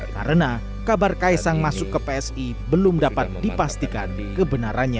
karena kabar kaisang masuk ke psi belum dapat dipastikan kebenarannya